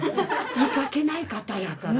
見かけない方やから。